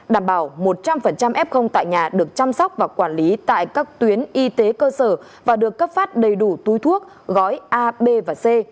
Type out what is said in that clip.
đảm bảo một trăm linh f tại nhà được chăm sóc và quản lý tại các tuyến y tế cơ sở và được cấp phát đầy đủ túi thuốc gói ab và c